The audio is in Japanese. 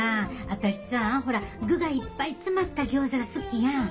私さほら具がいっぱい詰まったギョーザが好きやん。